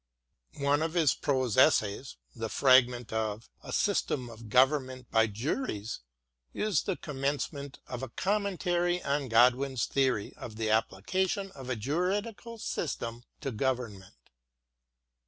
One of his prose essays, the Fragment of " A System of Government by Juries," is the com mencement of a commentary on Godwin's theory of the application of a juridical system to govern ment.